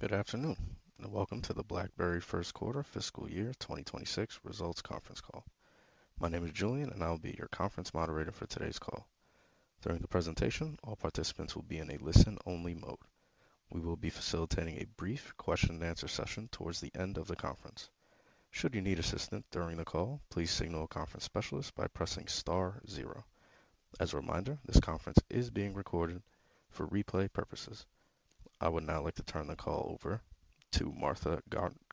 Good afternoon, and welcome to the BlackBerry First Quarter Fiscal Year 2026 Results Conference Call. My name is Julian, and I'll be your conference moderator for today's call. During the presentation, all participants will be in a listen-only mode. We will be facilitating a brief question-and-answer session towards the end of the conference. Should you need assistance during the call, please signal a conference specialist by pressing star zero. As a reminder, this conference is being recorded for replay purposes. I would now like to turn the call over to Martha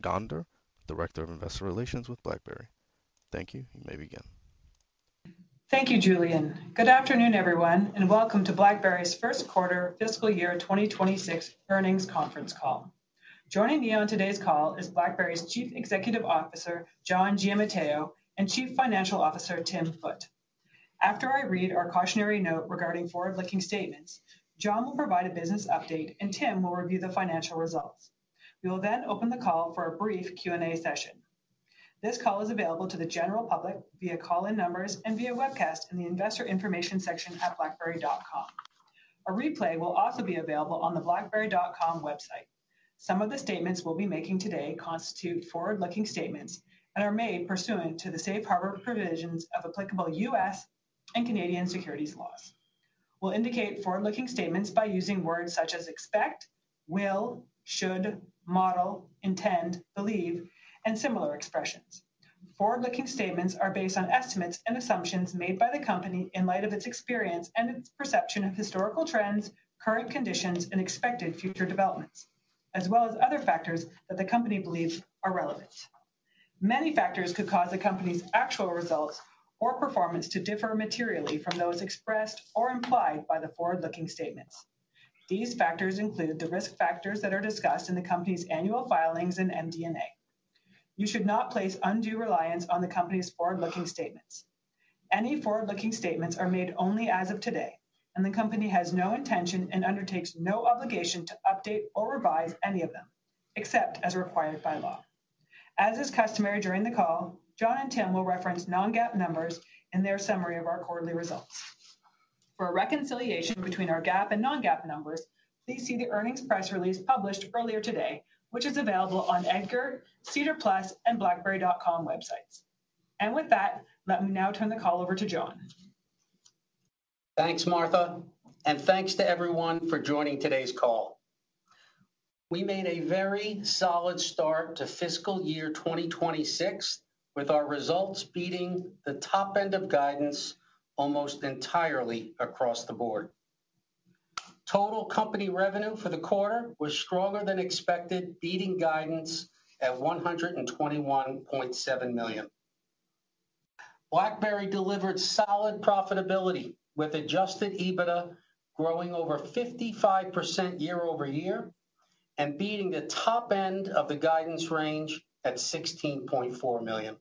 Gonder, Director of Investor Relations with BlackBerry. Thank you. You may begin. Thank you, Julian. Good afternoon, everyone, and welcome to BlackBerry's First Quarter Fiscal Year 2026 Earnings Conference Call. Joining me on today's call is BlackBerry's Chief Executive Officer, John Giamatteo, and Chief Financial Officer, Tim Foote. After I read our cautionary note regarding forward-looking statements, John will provide a business update, and Tim will review the financial results. We will then open the call for a brief Q&A session. This call is available to the general public via call-in numbers and via webcast in the investor information section at blackberry.com. A replay will also be available on the blackberry.com website. Some of the statements we'll be making today constitute forward-looking statements and are made pursuant to the safe harbor provisions of applicable U.S. and Canadian securities laws. We'll indicate forward-looking statements by using words such as expect, will, should, model, intend, believe, and similar expressions. Forward-looking statements are based on estimates and assumptions made by the company in light of its experience and its perception of historical trends, current conditions, and expected future developments, as well as other factors that the company believes are relevant. Many factors could cause a company's actual results or performance to differ materially from those expressed or implied by the forward-looking statements. These factors include the risk factors that are discussed in the company's annual filings and MD&A. You should not place undue reliance on the company's forward-looking statements. Any forward-looking statements are made only as of today, and the company has no intention and undertakes no obligation to update or revise any of them, except as required by law. As is customary during the call, John and Tim will reference non-GAAP numbers in their summary of our quarterly results. For a reconciliation between our GAAP and non-GAAP numbers, please see the earnings press release published earlier today, which is available on Egger, CedarPlus, and blackberry.com websites. With that, let me now turn the call over to John. Thanks, Martha, and thanks to everyone for joining today's call. We made a very solid start to fiscal year 2026 with our results beating the top end of guidance almost entirely across the board. Total company revenue for the quarter was stronger than expected, beating guidance at $121.7 million. BlackBerry delivered solid profitability with adjusted EBITDA growing over 55% year over year and beating the top end of the guidance range at $16.4 million.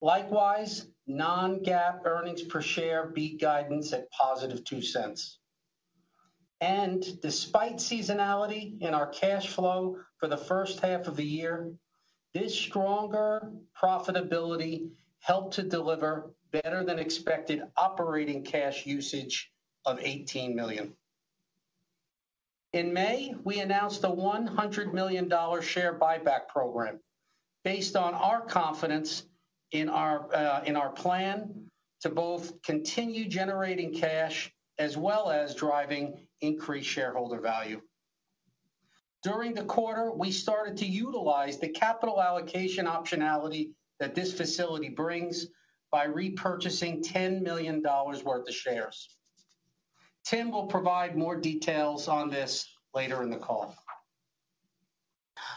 Likewise, non-GAAP earnings per share beat guidance at positive $0.02. Despite seasonality in our cash flow for the first half of the year, this stronger profitability helped to deliver better-than-expected operating cash usage of $18 million. In May, we announced a $100 million share buyback program based on our confidence in our plan to both continue generating cash as well as driving increased shareholder value. During the quarter, we started to utilize the capital allocation optionality that this facility brings by repurchasing $10 million worth of shares. Tim will provide more details on this later in the call.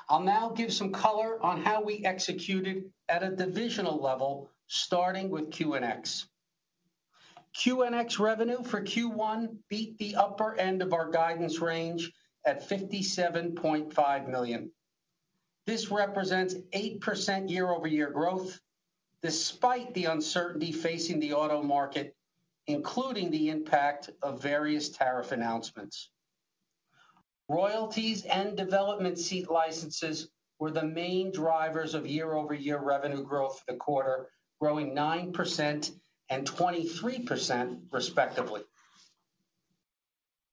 I'll now give some color on how we executed at a divisional level, starting with QNX. QNX revenue for Q1 beat the upper end of our guidance range at $57.5 million. This represents 8% year-over-year growth despite the uncertainty facing the auto market, including the impact of various tariff announcements. Royalties and development seat licenses were the main drivers of year-over-year revenue growth for the quarter, growing 9% and 23%, respectively.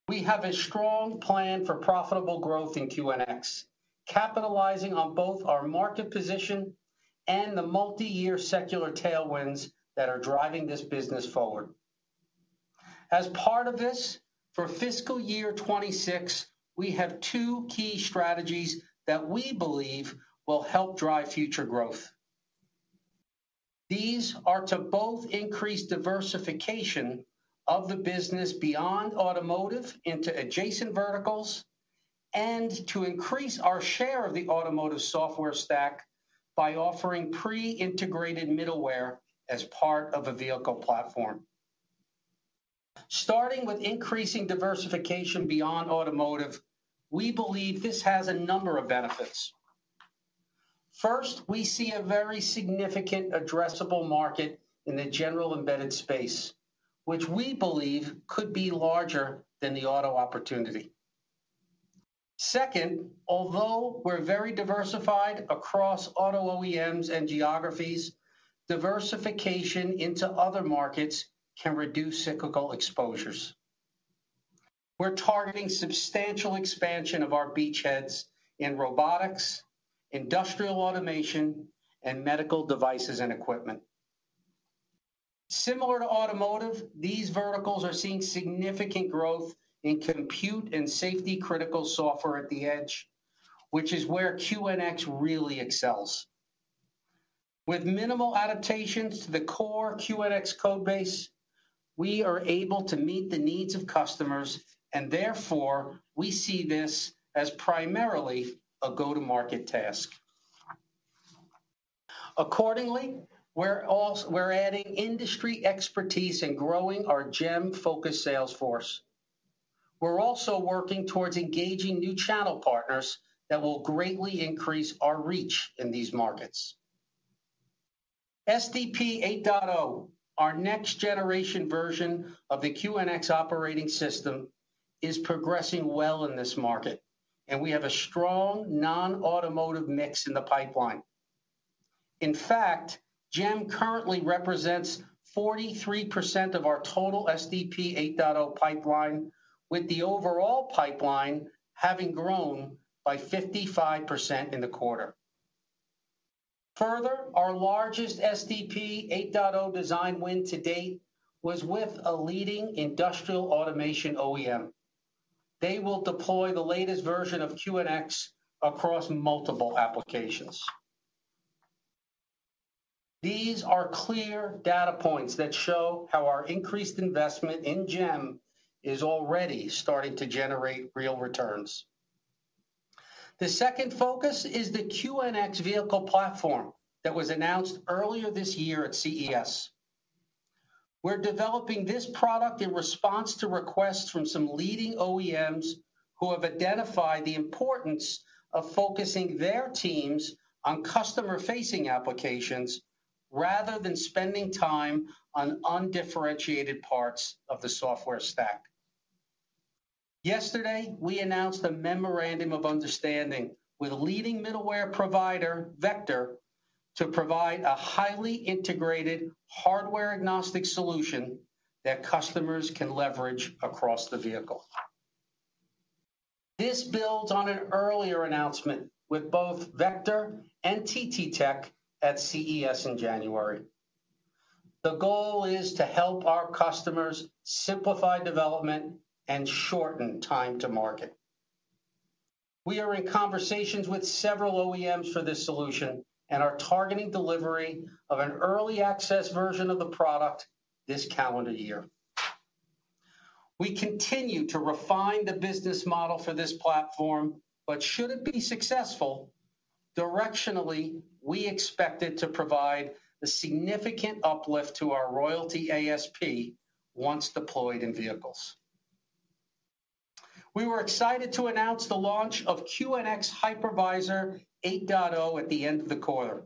We have a strong plan for profitable growth in QNX, capitalizing on both our market position and the multi-year secular tailwinds that are driving this business forward. As part of this, for fiscal year 2026, we have two key strategies that we believe will help drive future growth. These are to both increase diversification of the business beyond automotive into adjacent verticals and to increase our share of the automotive software stack by offering pre-integrated middleware as part of a vehicle platform. Starting with increasing diversification beyond automotive, we believe this has a number of benefits. First, we see a very significant addressable market in the general embedded space, which we believe could be larger than the auto opportunity. Second, although we are very diversified across auto OEMs and geographies, diversification into other markets can reduce cyclical exposures. We are targeting substantial expansion of our beachheads in robotics, industrial automation, and medical devices and equipment. Similar to automotive, these verticals are seeing significant growth in compute and safety-critical software at the edge, which is where QNX really excels. With minimal adaptations to the core QNX code base, we are able to meet the needs of customers, and therefore we see this as primarily a go-to-market task. Accordingly, we're adding industry expertise and growing our GEM-focused sales force. We're also working towards engaging new channel partners that will greatly increase our reach in these markets. SDP 8.0, our next-generation version of the QNX operating system, is progressing well in this market, and we have a strong non-automotive mix in the pipeline. In fact, GEM currently represents 43% of our total SDP 8.0 pipeline, with the overall pipeline having grown by 55% in the quarter. Further, our largest SDP 8.0 design win to date was with a leading industrial automation OEM. They will deploy the latest version of QNX across multiple applications. These are clear data points that show how our increased investment in GEM is already starting to generate real returns. The second focus is the QNX Vehicle Platform that was announced earlier this year at CES. We're developing this product in response to requests from some leading OEMs who have identified the importance of focusing their teams on customer-facing applications rather than spending time on undifferentiated parts of the software stack. Yesterday, we announced a memorandum of understanding with leading middleware provider Vector to provide a highly integrated hardware-agnostic solution that customers can leverage across the vehicle. This builds on an earlier announcement with both Vector and TTTech at CES in January. The goal is to help our customers simplify development and shorten time to market. We are in conversations with several OEMs for this solution and are targeting delivery of an early access version of the product this calendar year. We continue to refine the business model for this platform, but should it be successful, directionally, we expect it to provide a significant uplift to our royalty ASP once deployed in vehicles. We were excited to announce the launch of QNX Hypervisor 8.0 at the end of the quarter.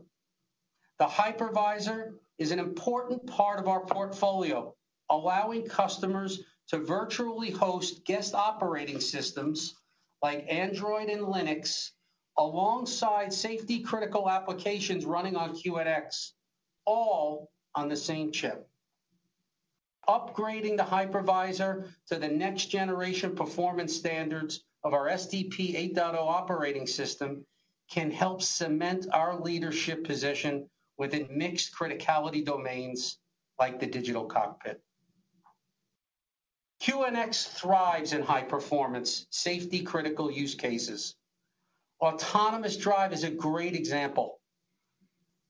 The Hypervisor is an important part of our portfolio, allowing customers to virtually host guest operating systems like Android and Linux alongside safety-critical applications running on QNX, all on the same chip. Upgrading the Hypervisor to the next-generation performance standards of our SDP 8.0 operating system can help cement our leadership position within mixed criticality domains like the digital cockpit. QNX thrives in high-performance, safety-critical use cases. Autonomous drive is a great example.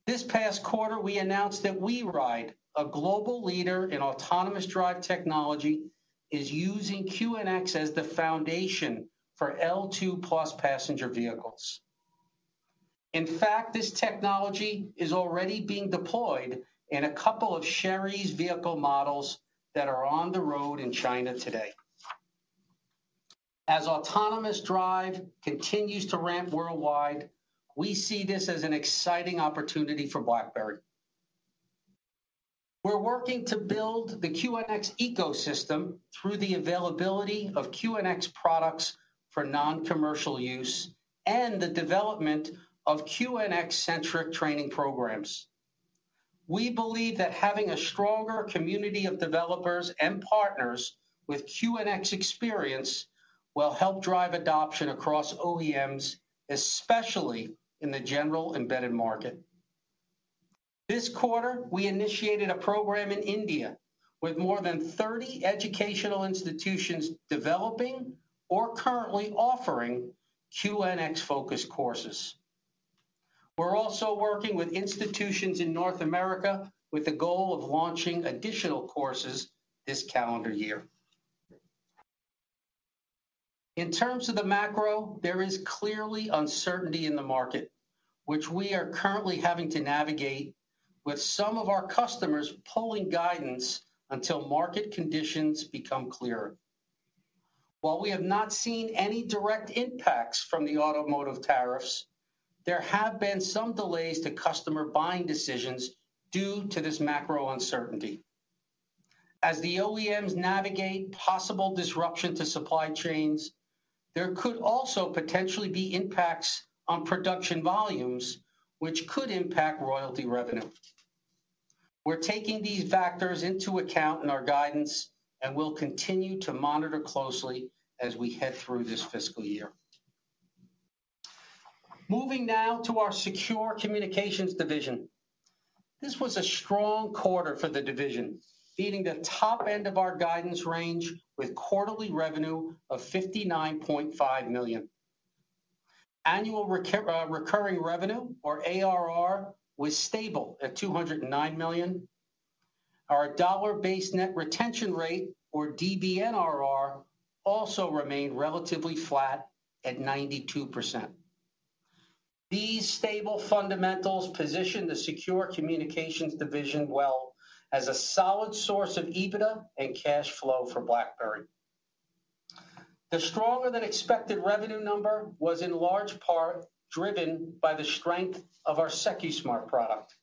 This past quarter, we announced that WeRide, a global leader in autonomous drive technology, is using QNX as the foundation for L2 plus passenger vehicles. In fact, this technology is already being deployed in a couple of Chery's vehicle models that are on the road in China today. As autonomous drive continues to ramp worldwide, we see this as an exciting opportunity for BlackBerry. We're working to build the QNX ecosystem through the availability of QNX products for non-commercial use and the development of QNX-centric training programs. We believe that having a stronger community of developers and partners with QNX experience will help drive adoption across OEMs, especially in the general embedded market. This quarter, we initiated a program in India with more than 30 educational institutions developing or currently offering QNX-focused courses. We're also working with institutions in North America with the goal of launching additional courses this calendar year. In terms of the macro, there is clearly uncertainty in the market, which we are currently having to navigate with some of our customers pulling guidance until market conditions become clearer. While we have not seen any direct impacts from the automotive tariffs, there have been some delays to customer buying decisions due to this macro uncertainty. As the OEMs navigate possible disruption to supply chains, there could also potentially be impacts on production volumes, which could impact royalty revenue. We're taking these factors into account in our guidance and will continue to monitor closely as we head through this fiscal year. Moving now to our secure communications division. This was a strong quarter for the division, beating the top end of our guidance range with quarterly revenue of $59.5 million. Annual Recurring Revenue, or ARR, was stable at $209 million. Our Dollar-Based Net Retention Rate, or DBNRR, also remained relatively flat at 92%. These stable fundamentals position the secure communications division well as a solid source of EBITDA and cash flow for BlackBerry. The stronger-than-expected revenue number was in large part driven by the strength of our SecuSmart product.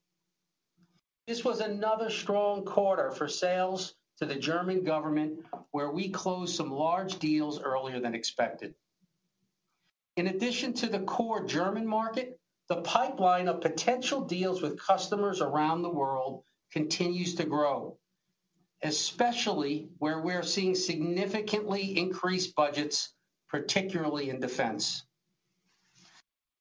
This was another strong quarter for sales to the German government, where we closed some large deals earlier than expected. In addition to the core German market, the pipeline of potential deals with customers around the world continues to grow, especially where we're seeing significantly increased budgets, particularly in defense.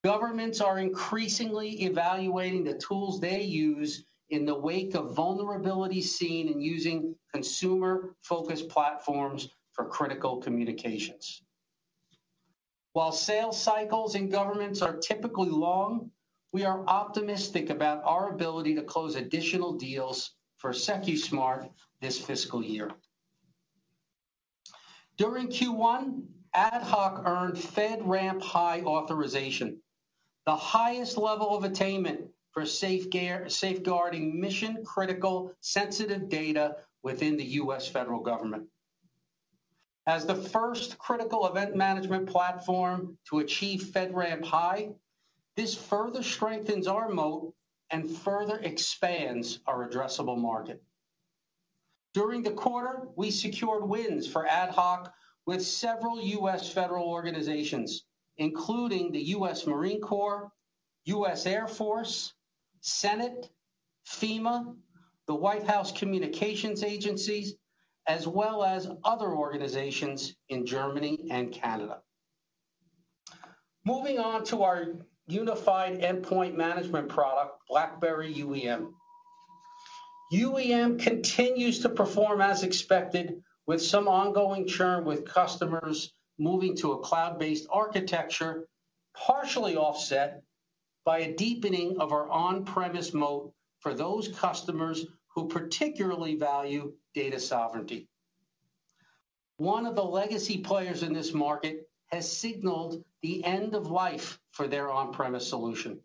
Governments are increasingly evaluating the tools they use in the wake of vulnerabilities seen in using consumer-focused platforms for critical communications. While sales cycles in governments are typically long, we are optimistic about our ability to close additional deals for SecuSmart this fiscal year. During Q1, AtHoc earned FedRAMP High Authorization, the highest level of attainment for safeguarding mission-critical sensitive data within the U.S. federal government. As the first critical event management platform to achieve FedRAMP High, this further strengthens our moat and further expands our addressable market. During the quarter, we secured wins for AtHoc with several U.S. federal organizations, including the U.S. Marine Corps, U.S. Air Force, Senate, FEMA, the White House communications agencies, as well as other organizations in Germany and Canada. Moving on to our unified endpoint management product, BlackBerry UEM. UEM continues to perform as expected, with some ongoing churn with customers moving to a cloud-based architecture, partially offset by a deepening of our on-premise moat for those customers who particularly value data sovereignty. One of the legacy players in this market has signaled the end of life for their on-premise solution.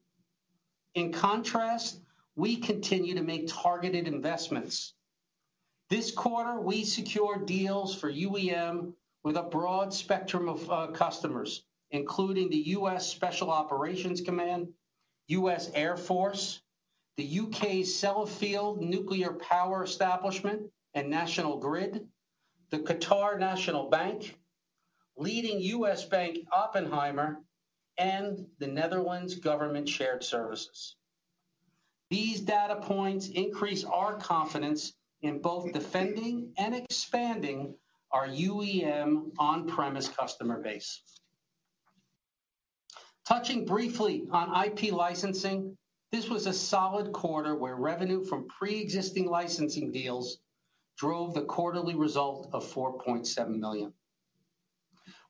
In contrast, we continue to make targeted investments. This quarter, we secured deals for UEM with a broad spectrum of customers, including the U.S. Special Operations Command, U.S. Air Force, the U.K. Sellafield Nuclear Power Establishment and National Grid, the Qatar National Bank, leading U.S. bank Oppenheimer, and the Netherlands Government Shared Services. These data points increase our confidence in both defending and expanding our UEM on-premise customer base. Touching briefly on IP licensing, this was a solid quarter where revenue from pre-existing licensing deals drove the quarterly result of $4.7 million.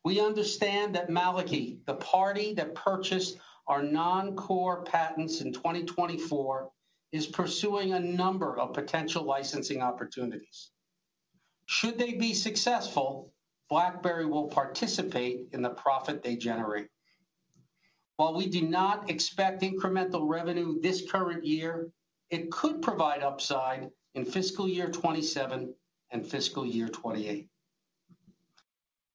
We understand that Malikie, the party that purchased our non-core patents in 2024, is pursuing a number of potential licensing opportunities. Should they be successful, BlackBerry will participate in the profit they generate. While we do not expect incremental revenue this current year, it could provide upside in fiscal year 2027 and fiscal year 2028.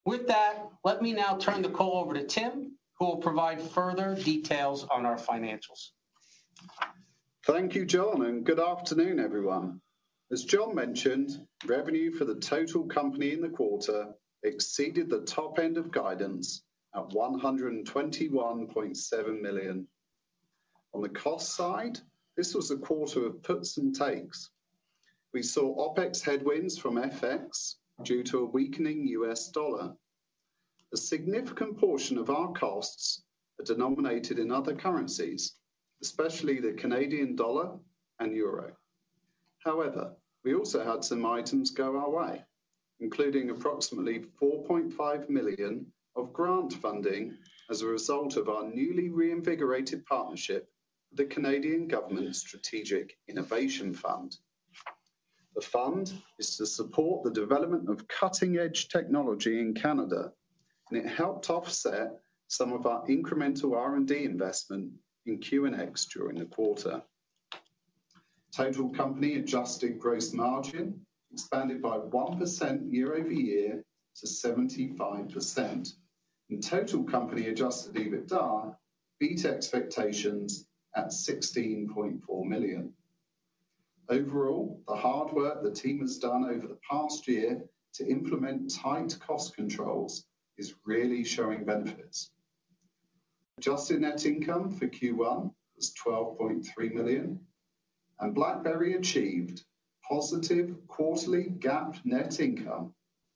With that, let me now turn the call over to Tim, who will provide further details on our financials. Thank you, John, and good afternoon, everyone. As John mentioned, revenue for the total company in the quarter exceeded the top end of guidance at $121.7 million. On the cost side, this was a quarter of puts and takes. We saw OpEx headwinds from FX due to a weakening U.S. dollar. A significant portion of our costs are denominated in other currencies, especially the Canadian dollar and euro. However, we also had some items go our way, including approximately $4.5 million of grant funding as a result of our newly reinvigorated partnership with the Canadian Government Strategic Innovation Fund. The fund is to support the development of cutting-edge technology in Canada, and it helped offset some of our incremental R&D investment in QNX during the quarter. Total company adjusted gross margin expanded by 1% year over year to 75%, and total company adjusted EBITDA beat expectations at $16.4 million. Overall, the hard work the team has done over the past year to implement tight cost controls is really showing benefits. Adjusted net income for Q1 was $12.3 million, and BlackBerry achieved positive quarterly GAAP net income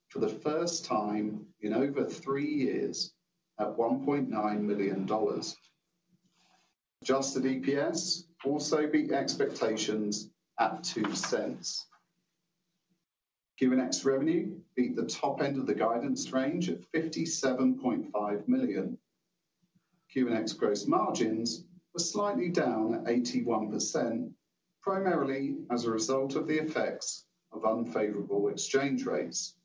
for the first time in over three years at $1.9 million. Adjusted EPS also beat expectations at $0.02. QNX revenue beat the top end of the guidance range at $57.5 million. QNX gross margins were slightly down at 81%, primarily as a result of the effects of unfavorable exchange rates.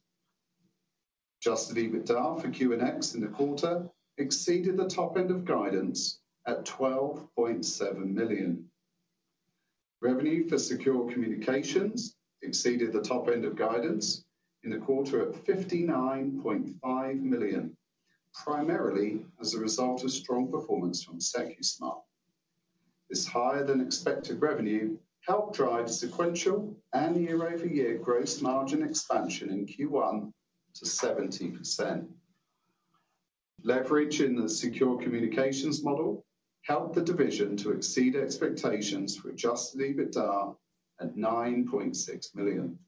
Adjusted EBITDA for QNX in the quarter exceeded the top end of guidance at $12.7 million. Revenue for secure communications exceeded the top end of guidance in the quarter at $59.5 million, primarily as a result of strong performance from SecuSmart. This higher-than-expected revenue helped drive sequential and year-over-year gross margin expansion in Q1 to 70%. Leverage in the secure communications model helped the division to exceed expectations for adjusted EBITDA at $9.6 million.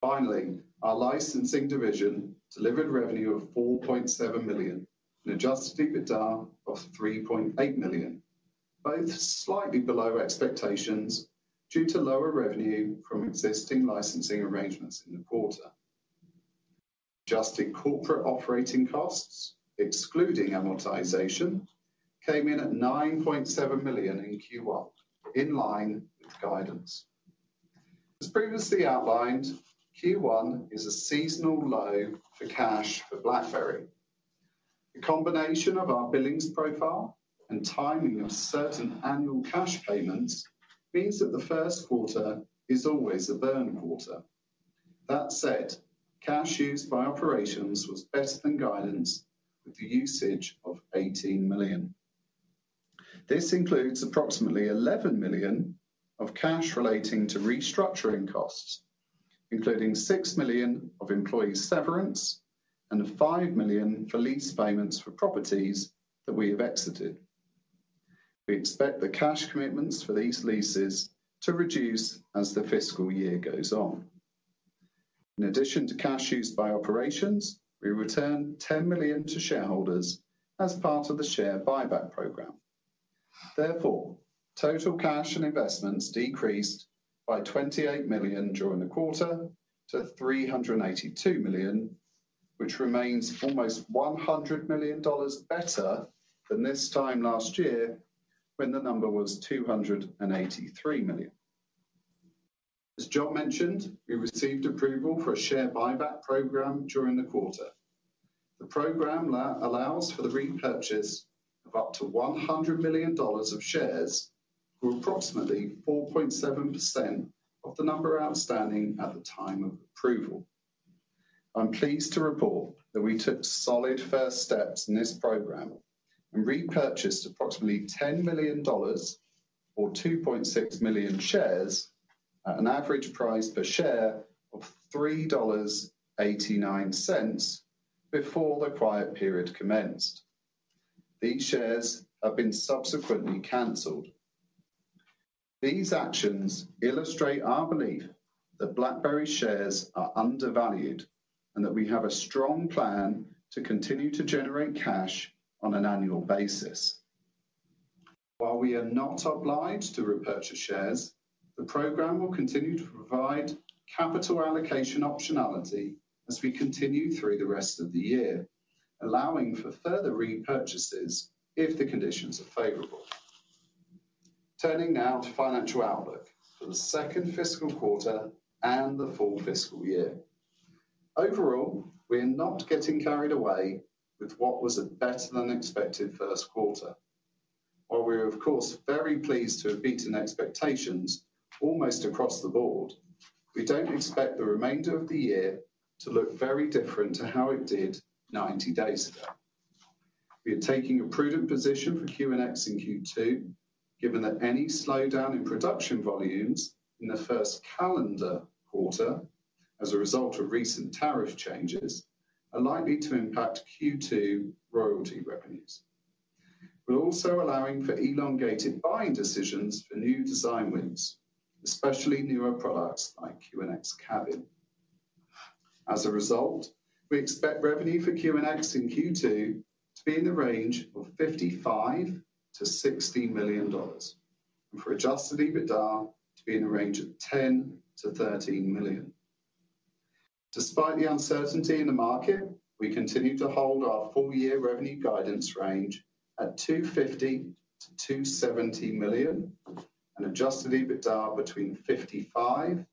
Finally, our licensing division delivered revenue of $4.7 million and adjusted EBITDA of $3.8 million, both slightly below expectations due to lower revenue from existing licensing arrangements in the quarter. Adjusted corporate operating costs, excluding amortization, came in at $9.7 million in Q1, in line with guidance. As previously outlined, Q1 is a seasonal low for cash for BlackBerry. The combination of our billings profile and timing of certain annual cash payments means that the first quarter is always a burn quarter. That said, cash used by operations was better than guidance, with the usage of $18 million. This includes approximately $11 million of cash relating to restructuring costs, including $6 million of employee severance and $5 million for lease payments for properties that we have exited. We expect the cash commitments for these leases to reduce as the fiscal year goes on. In addition to cash used by operations, we returned $10 million to shareholders as part of the share buyback program. Therefore, total cash and investments decreased by $28 million during the quarter to $382 million, which remains almost $100 million better than this time last year when the number was $283 million. As John mentioned, we received approval for a share buyback program during the quarter. The program allows for the repurchase of up to $100 million of shares, or approximately 4.7% of the number outstanding at the time of approval. I'm pleased to report that we took solid first steps in this program and repurchased approximately $10 million, or 2.6 million shares, at an average price per share of $3.89 before the quiet period commenced. These shares have been subsequently canceled. These actions illustrate our belief that BlackBerry's shares are undervalued and that we have a strong plan to continue to generate cash on an annual basis. While we are not obliged to repurchase shares, the program will continue to provide capital allocation optionality as we continue through the rest of the year, allowing for further repurchases if the conditions are favorable. Turning now to financial outlook for the second fiscal quarter and the full fiscal year. Overall, we are not getting carried away with what was a better-than-expected first quarter. While we are, of course, very pleased to have beaten expectations almost across the board, we do not expect the remainder of the year to look very different to how it did 90 days ago. We are taking a prudent position for QNX in Q2, given that any slowdown in production volumes in the first calendar quarter as a result of recent tariff changes are likely to impact Q2 royalty revenues. We are also allowing for elongated buying decisions for new design wins, especially newer products like QNX Cabin. As a result, we expect revenue for QNX in Q2 to be in the range of $55-$60 million and for adjusted EBITDA to be in the range of $10-$13 million. Despite the uncertainty in the market, we continue to hold our full-year revenue guidance range at $250-$270 million and adjusted EBITDA between $55-$60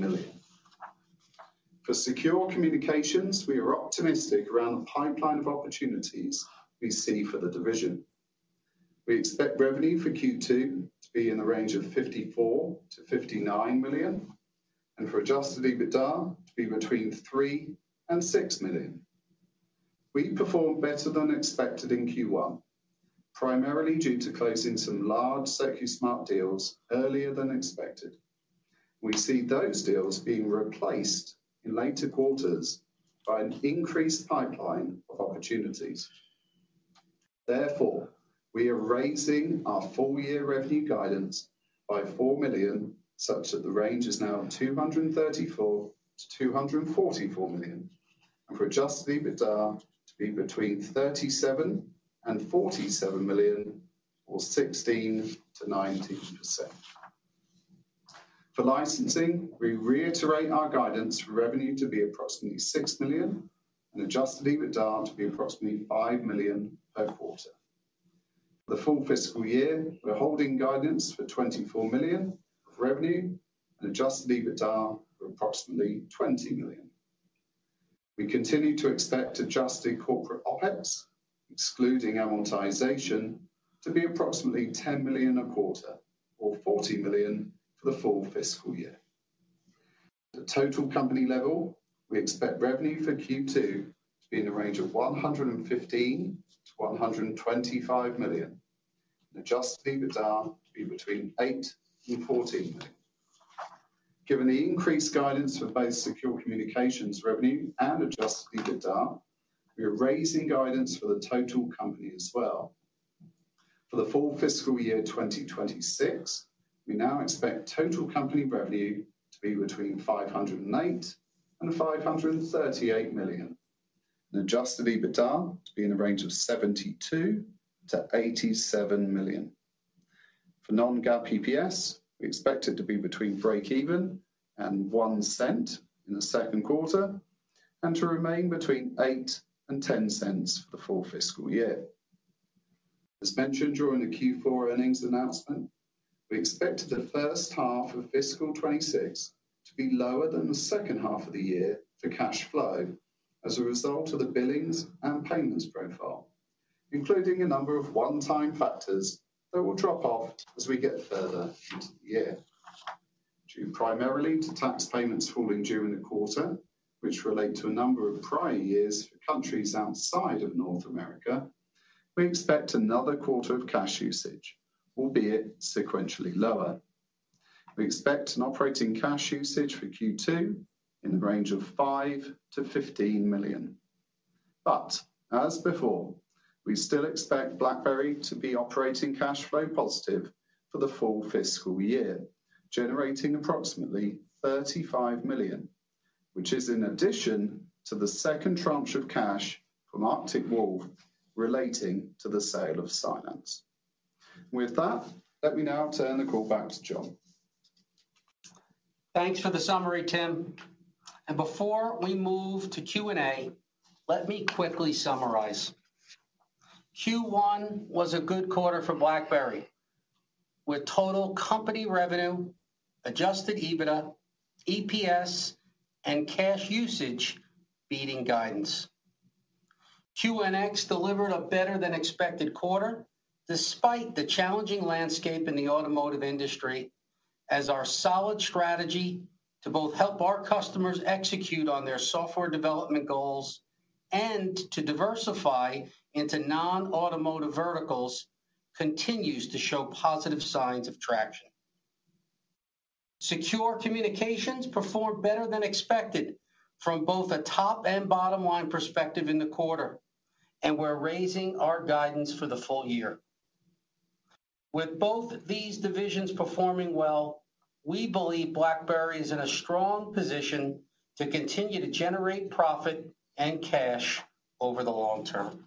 million. For secure communications, we are optimistic around the pipeline of opportunities we see for the division. We expect revenue for Q2 to be in the range of $54-$59 million and for adjusted EBITDA to be between $3-$6 million. We performed better than expected in Q1, primarily due to closing some large SecuSmart deals earlier than expected. We see those deals being replaced in later quarters by an increased pipeline of opportunities. Therefore, we are raising our full-year revenue guidance by $4 million, such that the range is now $234-$244 million and for adjusted EBITDA to be between $37-$47 million, or 16%-19%. For licensing, we reiterate our guidance for revenue to be approximately $6 million and adjusted EBITDA to be approximately $5 million per quarter. For the full fiscal year, we're holding guidance for $24 million of revenue and adjusted EBITDA for approximately $20 million. We continue to expect adjusted corporate OPEX, excluding amortization, to be approximately $10 million a quarter, or $40 million for the full fiscal year. At a total company level, we expect revenue for Q2 to be in the range of $115-$125 million and adjusted EBITDA to be between $8-$14 million. Given the increased guidance for both secure communications revenue and adjusted EBITDA, we are raising guidance for the total company as well. For the full fiscal year 2026, we now expect total company revenue to be between $508 million and $538 million and adjusted EBITDA to be in the range of $72 million-$87 million. For non-GAAP EPS, we expect it to be between break-even and $0.01 in the second quarter and to remain between $0.08-$0.10 for the full fiscal year. As mentioned during the Q4 earnings announcement, we expected the first half of fiscal 2026 to be lower than the second half of the year for cash flow as a result of the billings and payments profile, including a number of one-time factors that will drop off as we get further into the year. Due primarily to tax payments falling during the quarter, which relate to a number of prior years for countries outside of North America, we expect another quarter of cash usage, albeit sequentially lower. We expect an operating cash usage for Q2 in the range of $5-$15 million. As before, we still expect BlackBerry to be operating cash flow positive for the full fiscal year, generating approximately $35 million, which is in addition to the second tranche of cash from Arctic Wolf relating to the sale of Synapse. With that, let me now turn the call back to John. Thanks for the summary, Tim. Before we move to Q&A, let me quickly summarize. Q1 was a good quarter for BlackBerry, with total company revenue, adjusted EBITDA, EPS, and cash usage beating guidance. QNX delivered a better-than-expected quarter despite the challenging landscape in the automotive industry, as our solid strategy to both help our customers execute on their software development goals and to diversify into non-automotive verticals continues to show positive signs of traction. Secure communications performed better than expected from both a top and bottom line perspective in the quarter, and we're raising our guidance for the full year. With both these divisions performing well, we believe BlackBerry is in a strong position to continue to generate profit and cash over the long term.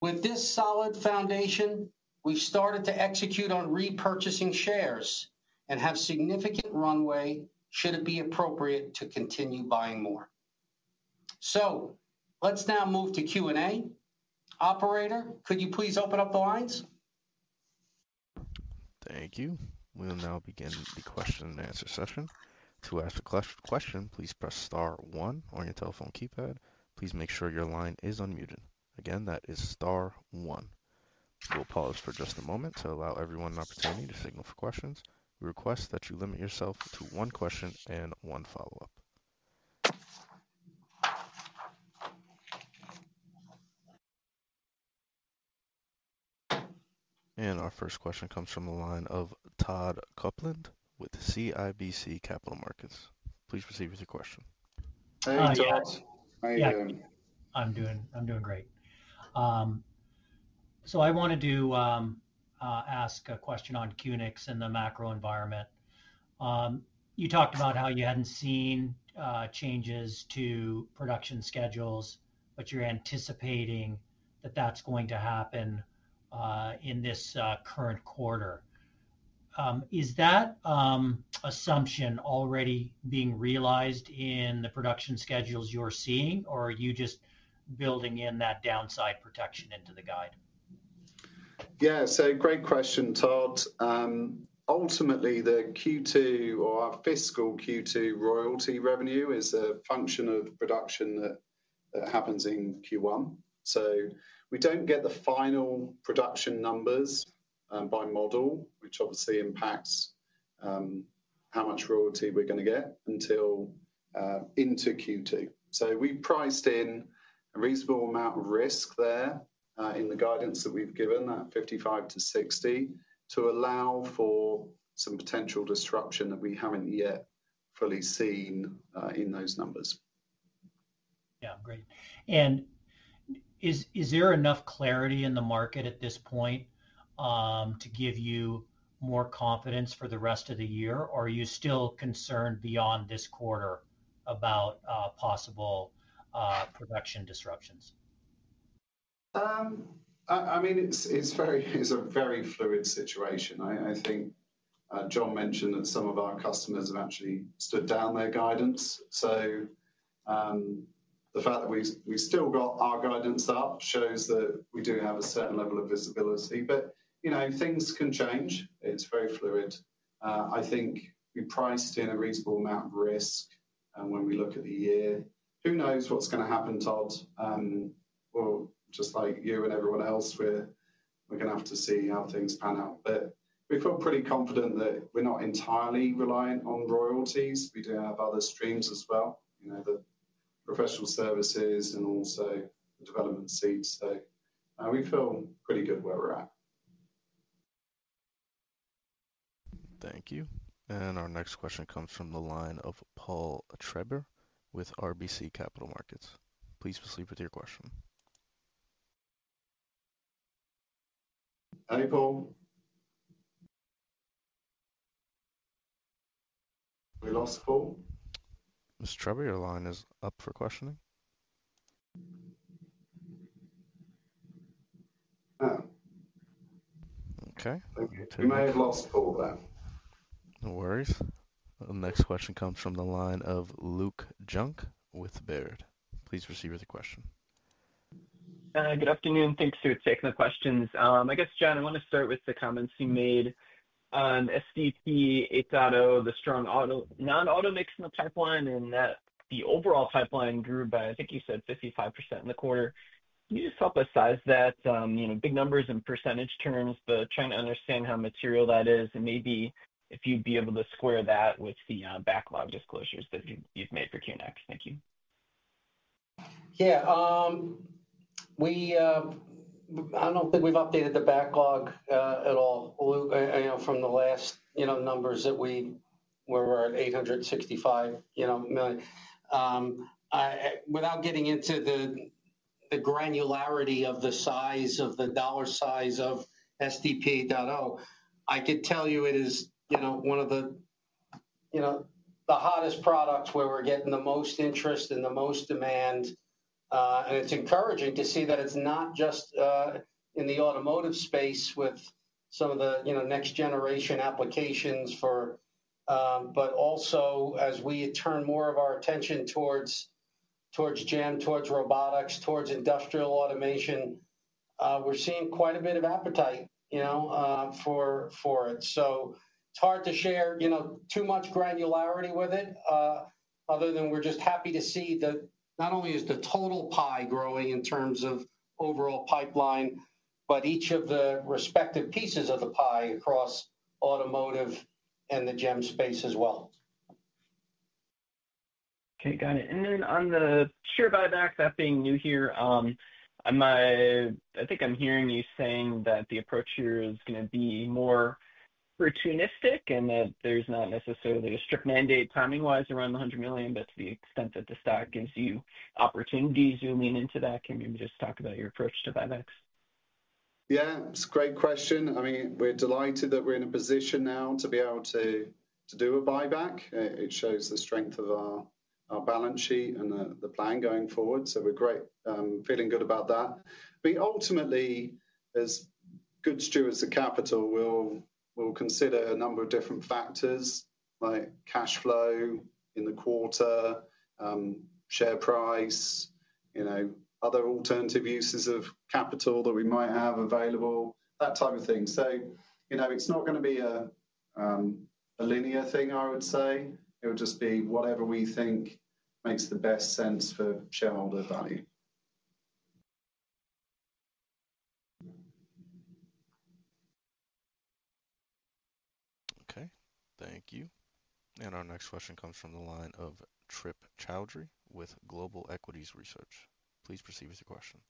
With this solid foundation, we've started to execute on repurchasing shares and have significant runway should it be appropriate to continue buying more. Let's now move to Q&A. Operator, could you please open up the lines? Thank you. We'll now begin the question and answer session. To ask a question, please press star one on your telephone keypad. Please make sure your line is unmuted. Again, that is star one. We'll pause for just a moment to allow everyone an opportunity to signal for questions. We request that you limit yourself to one question and one follow-up. Our first question comes from the line of Todd Coupland with CIBC Capital Markets. Please proceed with your question. Hi, Todd. How are you doing? I'm doing great. I wanted to ask a question on QNX and the macro environment. You talked about how you hadn't seen changes to production schedules, but you're anticipating that that's going to happen in this current quarter. Is that assumption already being realized in the production schedules you're seeing, or are you just building in that downside protection into the guide? Yes. A great question, Todd. Ultimately, the Q2 or our fiscal Q2 royalty revenue is a function of production that happens in Q1. We don't get the final production numbers by model, which obviously impacts how much royalty we're going to get until into Q2. We priced in a reasonable amount of risk there in the guidance that we've given, that $55-$60, to allow for some potential disruption that we haven't yet fully seen in those numbers. Yeah. Great. Is there enough clarity in the market at this point to give you more confidence for the rest of the year, or are you still concerned beyond this quarter about possible production disruptions? I mean, it's a very fluid situation. I think John mentioned that some of our customers have actually stood down their guidance. The fact that we've still got our guidance up shows that we do have a certain level of visibility. Things can change. It's very fluid. I think we priced in a reasonable amount of risk when we look at the year. Who knows what's going to happen, Todd? Just like you and everyone else, we're going to have to see how things pan out. We feel pretty confident that we're not entirely reliant on royalties. We do have other streams as well, the professional services and also the development seats. We feel pretty good where we're at. Thank you. Our next question comes from the line of Paul Treiber with RBC Capital Markets. Please proceed with your question. Hey, Paul. We lost Paul? Mr. Treiber, your line is up for questioning. Okay. We may have lost Paul there. No worries. The next question comes from the line of Luke Junk with Baird. Please proceed with the question. Good afternoon. Thanks for taking the questions. I guess, John, I want to start with the comments you made on SDP 8.0, the strong non-automation pipeline, and that the overall pipeline grew by, I think you said, 55% in the quarter. Can you just help us size that? Big numbers in percentage terms, but trying to understand how material that is and maybe if you'd be able to square that with the backlog disclosures that you've made for QNX. Thank you. Yeah. I do not think we have updated the backlog at all from the last numbers that we were at $865 million. Without getting into the granularity of the size of the dollar size of SDP 8.0, I could tell you it is one of the hottest products where we are getting the most interest and the most demand. It is encouraging to see that it is not just in the automotive space with some of the next-generation applications, but also as we turn more of our attention towards GEM, towards robotics, towards industrial automation, we are seeing quite a bit of appetite for it. It is hard to share too much granularity with it other than we are just happy to see that not only is the total pie growing in terms of overall pipeline, but each of the respective pieces of the pie across automotive and the GEM space as well. Okay. Got it. On the share buyback, that being new here, I think I'm hearing you saying that the approach here is going to be more opportunistic and that there's not necessarily a strict mandate timing-wise around the $100 million, but to the extent that the stock gives you opportunity zooming into that, can you just talk about your approach to buybacks? Yeah. It's a great question. I mean, we're delighted that we're in a position now to be able to do a buyback. It shows the strength of our balance sheet and the plan going forward. We're feeling good about that. Ultimately, as good stewards of capital, we'll consider a number of different factors like cash flow in the quarter, share price, other alternative uses of capital that we might have available, that type of thing. It's not going to be a linear thing, I would say. It'll just be whatever we think makes the best sense for shareholder value. Okay. Thank you. Our next question comes from the line of Trip Chowdhury with Global Equities Research. Please proceed with your question.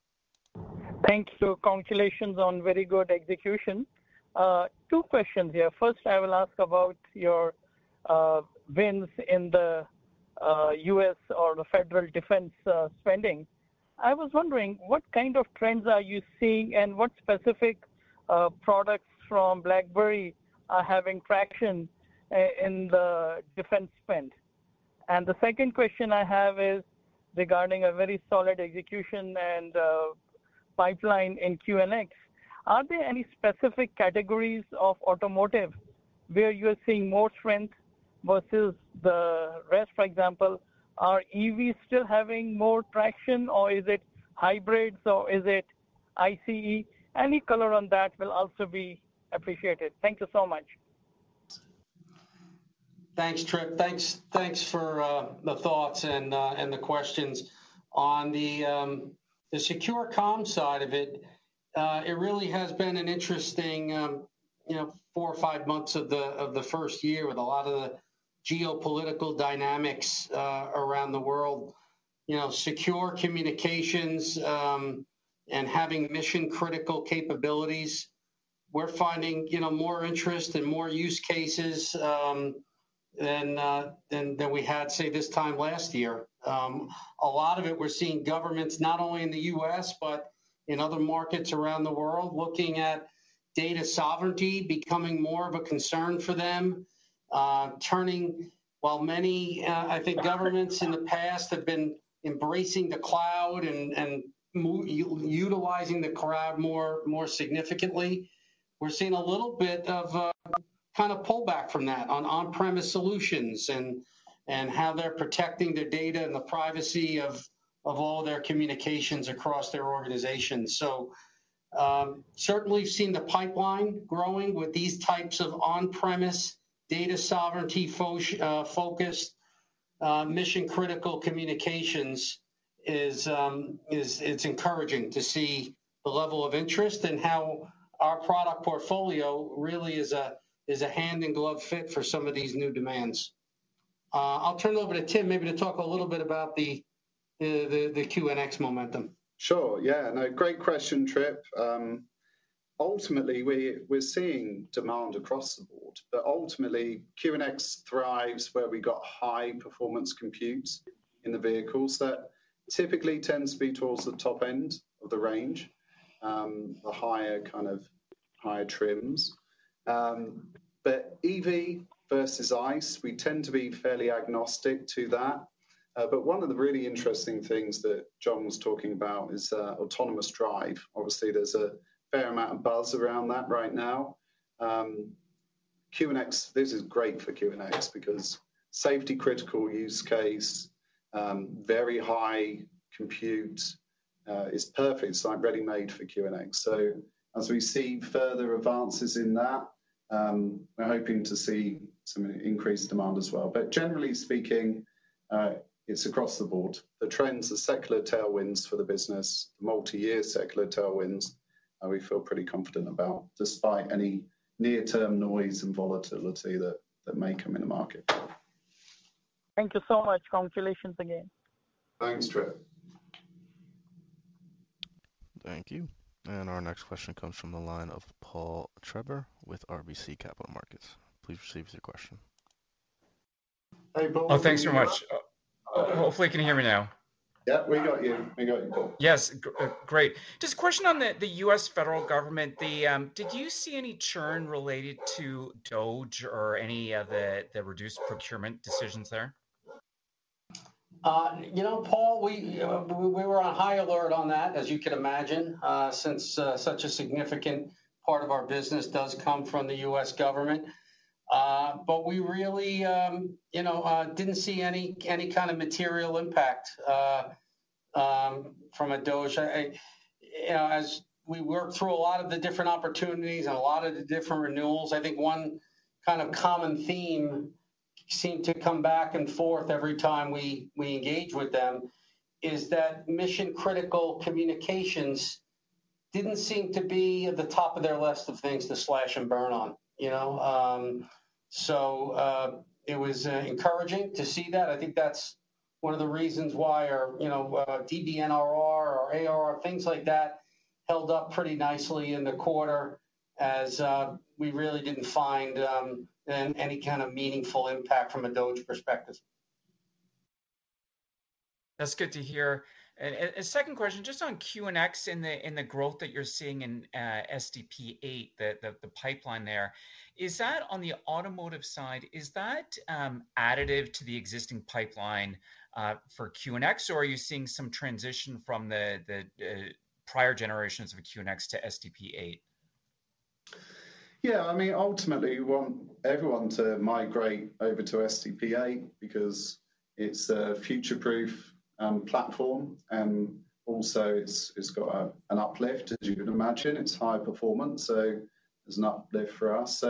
Thank you. Congratulations on very good execution. Two questions here. First, I will ask about your wins in the U.S. or the federal defense spending. I was wondering, what kind of trends are you seeing and what specific products from BlackBerry are having traction in the defense spend? The second question I have is regarding a very solid execution and pipeline in QNX. Are there any specific categories of automotive where you are seeing more strength versus the rest? For example, are EVs still having more traction, or is it hybrids, or is it ICE? Any color on that will also be appreciated. Thank you so much. Thanks, Trip. Thanks for the thoughts and the questions. On the secure comm side of it, it really has been an interesting four or five months of the first year with a lot of the geopolitical dynamics around the world. Secure communications and having mission-critical capabilities, we're finding more interest and more use cases than we had, say, this time last year. A lot of it, we're seeing governments not only in the U.S., but in other markets around the world looking at data sovereignty becoming more of a concern for them. While many, I think, governments in the past have been embracing the cloud and utilizing the cloud more significantly, we're seeing a little bit of kind of pullback from that on on-premise solutions and how they're protecting their data and the privacy of all their communications across their organizations. Certainly, we've seen the pipeline growing with these types of on-premise data sovereignty-focused mission-critical communications. It's encouraging to see the level of interest and how our product portfolio really is a hand-in-glove fit for some of these new demands. I'll turn it over to Tim, maybe to talk a little bit about the QNX momentum. Sure. Yeah. No, great question, Trip. Ultimately, we're seeing demand across the board. Ultimately, QNX thrives where we got high-performance compute in the vehicles that typically tends to be towards the top end of the range, the higher kind of higher trims. EV versus ICE, we tend to be fairly agnostic to that. One of the really interesting things that John was talking about is autonomous drive. Obviously, there's a fair amount of buzz around that right now. This is great for QNX because safety-critical use case, very high compute is perfect. It's like ready-made for QNX. As we see further advances in that, we're hoping to see some increased demand as well. Generally speaking, it's across the board. The trends, the secular tailwinds for the business, the multi-year secular tailwinds, we feel pretty confident about despite any near-term noise and volatility that may come in the market. Thank you so much. Congratulations again. Thanks, Trip. Thank you. Our next question comes from the line of Paul Treiber with RBC Capital Markets. Please proceed with your question. Hey, Paul. Oh, thanks very much. Hopefully, you can hear me now. Yep. We got you. We got you, Paul. Yes. Great. Just a question on the U.S. federal government. Did you see any churn related to DoD or any of the reduced procurement decisions there? You know, Paul, we were on high alert on that, as you can imagine, since such a significant part of our business does come from the U.S. government. We really did not see any kind of material impact from a DOGE. As we worked through a lot of the different opportunities and a lot of the different renewals, I think one kind of common theme seemed to come back and forth every time we engage with them is that mission-critical communications did not seem to be at the top of their list of things to slash and burn on. It was encouraging to see that. I think that is one of the reasons why our DBNRR or ARR, things like that, held up pretty nicely in the quarter as we really did not find any kind of meaningful impact from a DOGE perspective. That is good to hear. A second question, just on QNX and the growth that you're seeing in SDP 8, the pipeline there, on the automotive side, is that additive to the existing pipeline for QNX, or are you seeing some transition from the prior generations of QNX to SDP 8? Yeah. I mean, ultimately, we want everyone to migrate over to SDP 8 because it's a future-proof platform. Also, it's got an uplift, as you can imagine. It's high performance, so there's an uplift for us.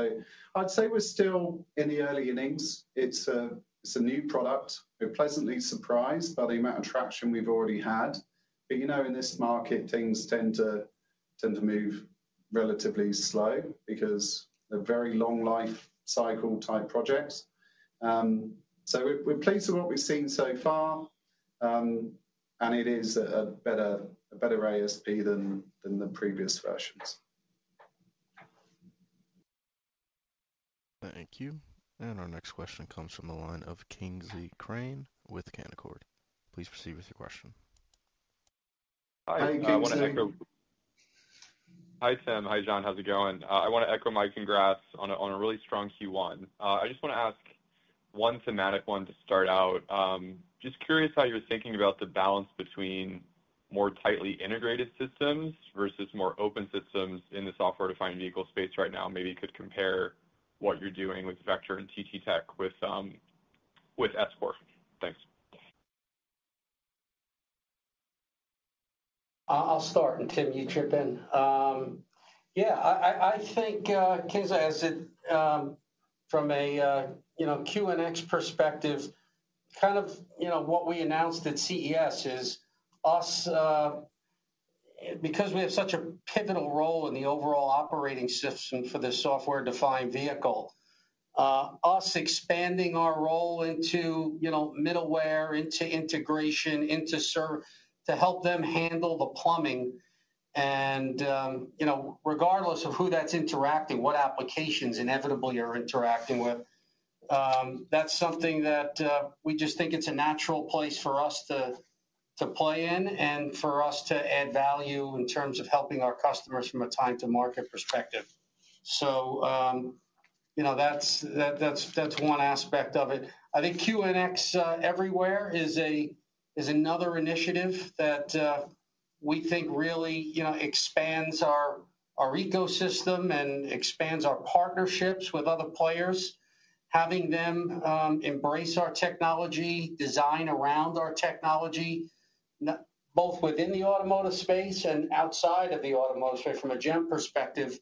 I'd say we're still in the early innings. It's a new product. We're pleasantly surprised by the amount of traction we've already had. In this market, things tend to move relatively slow because they're very long-life cycle type projects. We're pleased with what we've seen so far, and it is a better ASP than the previous versions. Thank you. Our next question comes from the line of Kingsley Crane with Canaccord. Please proceed with your question. Hi, Kingsley. Hi, Tim. Hi, John. How's it going? I want to echo my congrats on a really strong Q1. I just want to ask one thematic one to start out. Just curious how you're thinking about the balance between more tightly integrated systems versus more open systems in the software-defined vehicle space right now. Maybe you could compare what you're doing with Vector and TTTech with S-Core. Thanks. I'll start, and Tim, you chip in. Yeah. I think, Kingsley, from a QNX perspective, kind of what we announced at CES is us, because we have such a pivotal role in the overall operating system for the software-defined vehicle, us expanding our role into middleware, into integration, into server to help them handle the plumbing. Regardless of who that's interacting, what applications inevitably are interacting with, that's something that we just think it's a natural place for us to play in and for us to add value in terms of helping our customers from a time-to-market perspective. That is one aspect of it. I think QNX Everywhere is another initiative that we think really expands our ecosystem and expands our partnerships with other players, having them embrace our technology, design around our technology, both within the automotive space and outside of the automotive space from a GEM perspective,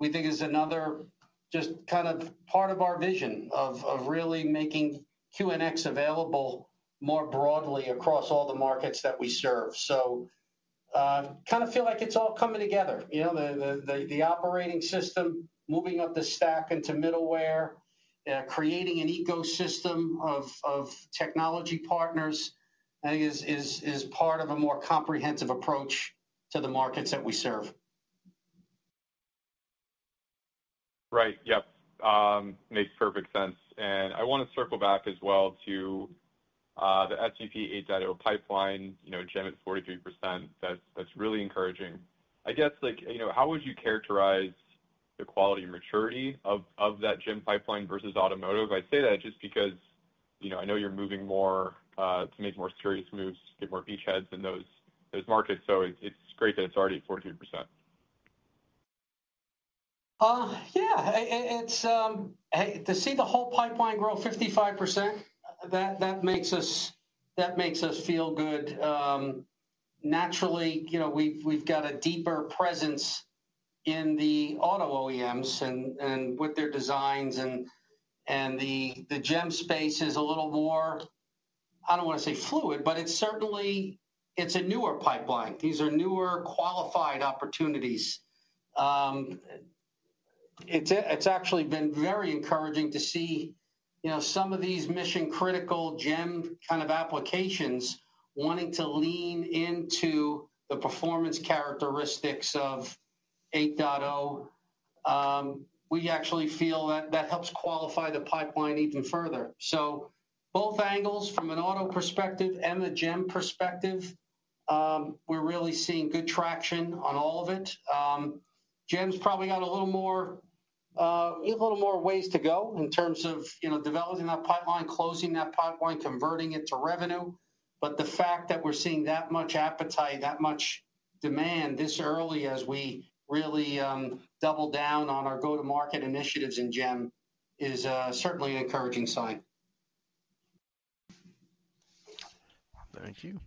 we think is another just kind of part of our vision of really making QNX available more broadly across all the markets that we serve. I kind of feel like it's all coming together. The operating system, moving up the stack into middleware, creating an ecosystem of technology partners, I think is part of a more comprehensive approach to the markets that we serve. Right. Yep. Makes perfect sense. I want to circle back as well to the SDP 8.0 pipeline, GEM at 43%. That is really encouraging. I guess, how would you characterize the quality and maturity of that GEM pipeline versus automotive? I say that just because I know you are moving more to make more serious moves, get more beachheads in those markets. It is great that it is already at 43%. To see the whole pipeline grow 55%, that makes us feel good. Naturally, we have got a deeper presence in the auto OEMs and with their designs. The GEM space is a little more, I do not want to say fluid, but it is a newer pipeline. These are newer qualified opportunities. It's actually been very encouraging to see some of these mission-critical GEM kind of applications wanting to lean into the performance characteristics of 8.0. We actually feel that that helps qualify the pipeline even further. Both angles from an auto perspective and a GEM perspective, we're really seeing good traction on all of it. GEM's probably got a little more ways to go in terms of developing that pipeline, closing that pipeline, converting it to revenue. The fact that we're seeing that much appetite, that much demand this early as we really double down on our go-to-market initiatives in GEM is certainly an encouraging sign. Thank you.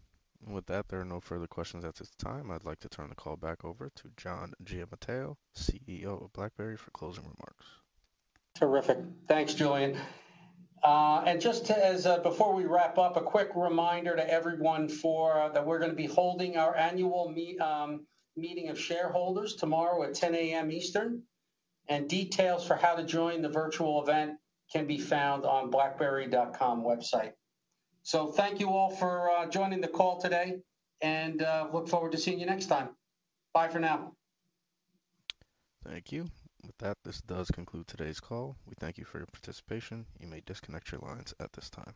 With that, there are no further questions at this time. I'd like to turn the call back over to John Giamatteo, CEO of BlackBerry, for closing remarks. Terrific. Thanks, Julian. Just before we wrap up, a quick reminder to everyone that we're going to be holding our annual meeting of shareholders tomorrow at 10:00 A.M. Eastern. Details for how to join the virtual event can be found on the BlackBerry.com website. Thank you all for joining the call today, and I look forward to seeing you next time. Bye for now. Thank you. With that, this does conclude today's call. We thank you for your participation. You may disconnect your lines at this time.